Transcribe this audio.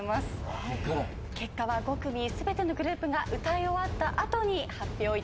結果は５組全てのグループが歌い終わった後に発表いたします。